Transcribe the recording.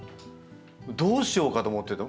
どうしようかと思ってた。